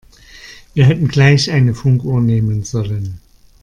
Wir hätten gleich eine Funkuhr nehmen sollen.